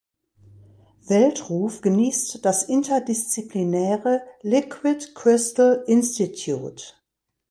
Weltruf genießt das interdisziplinäre "Liquid Crystal Institute".